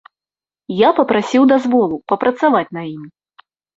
Я папрасіў дазволу папрацаваць на ім.